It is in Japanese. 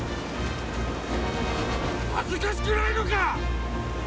恥ずかしくないのか！